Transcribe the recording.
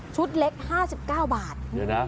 ชุดเล็ก๕๙บาท